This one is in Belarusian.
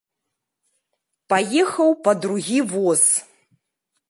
Паехаў па другі воз.